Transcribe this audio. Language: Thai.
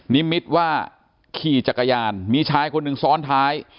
นิมิตว่าขี่จักรยานมีชายคนหนึ่งซ้อนท้าย